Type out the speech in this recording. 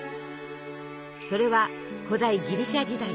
それは古代ギリシャ時代。